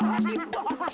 aduh eh coba terlepas